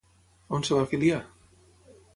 On es va afiliar?